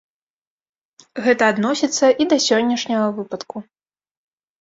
Гэта адносіцца і да сённяшняга выпадку.